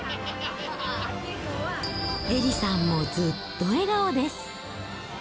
エリさんもずっと笑顔です。